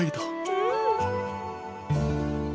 うん！